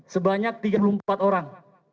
sebanyak tiga puluh empat orang